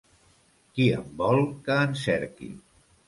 Qui en vol, que en cerqui.